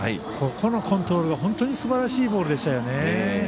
ここのコントロールが本当にすばらしいボールでしたね。